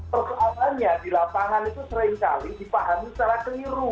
persoalannya di lapangan itu seringkali dipahami secara keliru